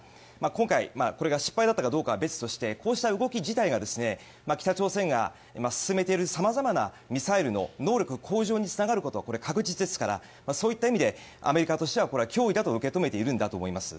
今回、これが失敗だったかどうかは別としてこうした動き自体が北朝鮮が進めている様々なミサイルの能力向上につながることこれ、確実ですからそういった意味でアメリカとしては脅威だと受け止めているんだと思います。